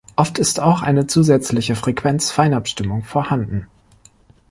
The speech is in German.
Oft ist auch eine zusätzliche Frequenz-Feinabstimmung vorhanden.